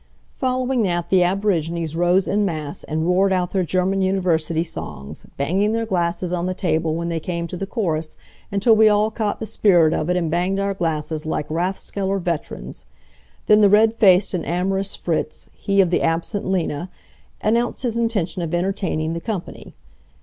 Following that the aborigines rose en masse and roared out their German university songs, banging their glasses on the table when they came to the chorus until we all caught the spirit of it and banged our glasses like rathskeller veterans. Then the red faced and amorous Fritz, he of the absent Lena, announced his intention of entertaining the company.